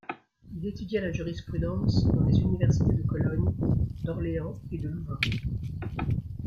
Il étudia la jurisprudence dans les universités de Cologne, d’Orléans et de Louvain.